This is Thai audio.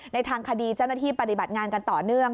ในทางคดีเจ้าหน้าที่ปฏิบัติงานกันต่อเนื่อง